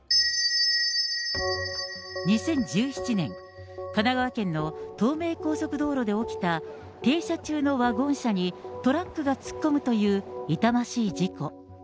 ２０１７年、神奈川県の東名高速道路で起きた、停車中のワゴン車にトラックが突っ込むという痛ましい事故。